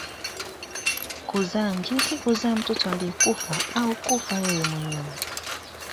Kuzaa njiti kuzaa mtoto aliyekufa au kufa yeye mwenyewe